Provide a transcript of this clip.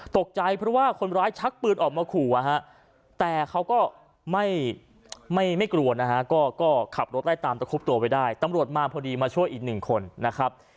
ตกใจเพราะว่าคนร้ายชักปืนออกมาขู่แต่เขาก็ไม่กลัวนะฮะก็ขับรถไล่ตามตะคุบตัวไว้ได้ตำรวจมาพอดีมาช่วยอีกหนึ่งคนนะครับ